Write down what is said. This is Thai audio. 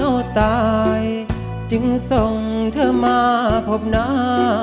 เขาตายจึงส่งเธอมาพบหน้า